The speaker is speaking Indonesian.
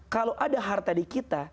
kalau ada harta di kita